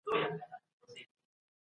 کوم هیواد غواړي قونسلګري نور هم پراخ کړي؟